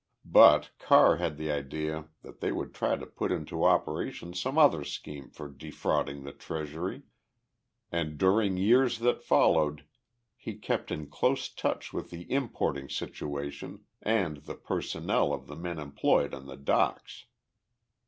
But Carr had the idea that they would try to put into operation some other scheme for defrauding the Treasury and during years that followed he kept in close touch with the importing situation and the personnel of the men employed on the docks.